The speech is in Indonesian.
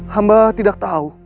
hamba tidak tahu